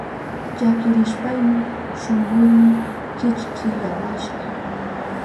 Llakirishpayni shunkuyni kichkiyawashka.